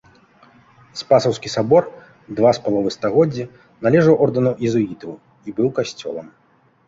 Спасаўскі сабор два з паловай стагоддзі належаў ордэну езуітаў і быў касцёлам.